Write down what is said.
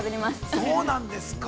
◆そうなんですか。